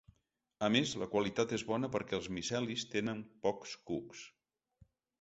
A més, la qualitat és bona perquè el micelis tenen pocs cucs.